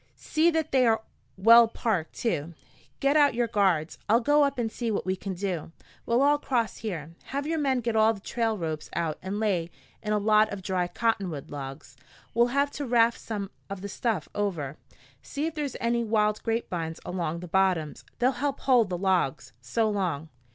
"See that they are well parked, too. Get out your guards. I'll go up and see what we can do. We'll all cross here. Have your men get all the trail ropes out and lay in a lot of dry cottonwood logs. We'll have to raft some of the stuff over. See if there's any wild grapevines along the bottoms. They'll help hold the logs. So long."